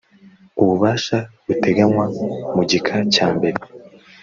ububasha buteganywa mu gika cya mbere